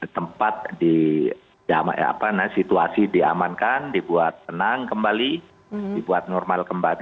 tempat di situasi diamankan dibuat tenang kembali dibuat normal kembali